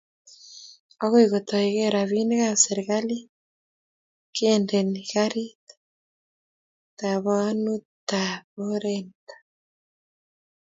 Agoi kekoite robinikab serikalit kendene karit tabanutab oret nito